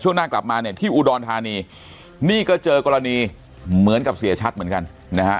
หน้ากลับมาเนี่ยที่อุดรธานีนี่ก็เจอกรณีเหมือนกับเสียชัดเหมือนกันนะฮะ